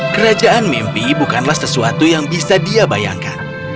kerajaan mimpi bukanlah sesuatu yang bisa dia bayangkan